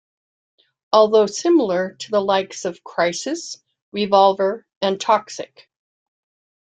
Although similar to the likes of "Crisis", "Revolver" and "Toxic!